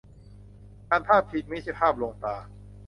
การพาดพิงไม่ใช่ภาพลวงตา